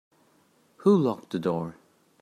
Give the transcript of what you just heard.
Who locked the door?